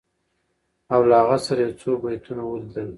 او له هغه سره یو څو بیتونه ولیدل